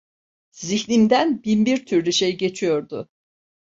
Zihnimden bin bir türlü şey geçiyordu.